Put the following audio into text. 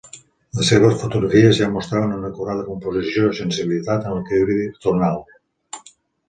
Les seves fotografies ja mostraven una acurada composició i sensibilitat en l'equilibri tonal.